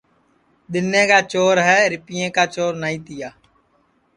دِؔنیں چور ہے رِپئیں کا چور نائی تِیا